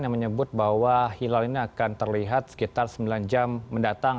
yang menyebut bahwa hilal ini akan terlihat sekitar sembilan jam mendatang